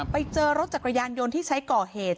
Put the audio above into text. ไปเจอรถจักรยานยนต์ที่ใช้ก่อเหตุ